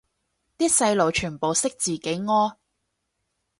啲細路全部識自己屙